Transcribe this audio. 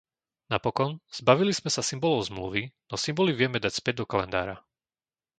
Napokon, zbavili sme sa symbolov Zmluvy, no symboly vieme dať späť do kalendára.